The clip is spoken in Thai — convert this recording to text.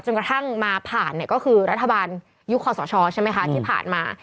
กระทั่งมาผ่านก็คือรัฐบาลยุคคอสชใช่ไหมคะที่ผ่านมา